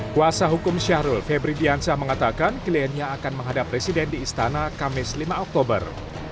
kuasa hukum syahrul febri diansah mengatakan kliennya akan menghadap presiden di istana kamis lima oktober